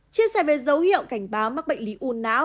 chia sẻ về dấu hiệu cảnh báo mắc bệnh lý u não